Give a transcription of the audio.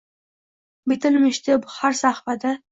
Bitilmishdi har safhada.